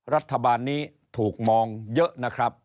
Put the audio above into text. รัฐบาลนี้ถูกมองเยอะนะครับ